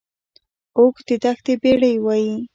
اوښ ته د دښتې بیړۍ وایي